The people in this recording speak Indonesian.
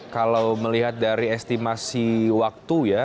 kalau melihat dari estimasi waktu ya